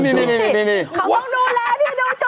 คำต้องดูแลพี่ดูชุด